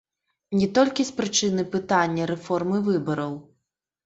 Не толькі з прычыны пытання рэформы выбараў.